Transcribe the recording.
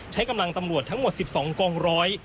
ใช้กำลังตำรวจทั้งหมด๑๒กองร้อย